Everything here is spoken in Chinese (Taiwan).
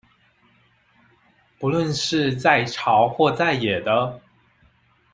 不論是在朝或在野的